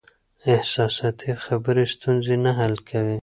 احساساتي خبرې ستونزې نه حل کوي.